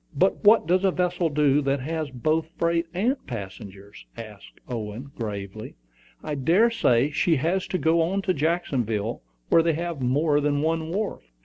"But what does a vessel do that has both freight and passengers?" asked Owen, gravely. "I dare say she has to go to Jacksonville, where they have more than one wharf."